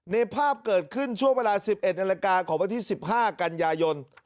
ภาพเกิดขึ้นช่วงเวลา๑๑นาฬิกาของวันที่๑๕กันยายน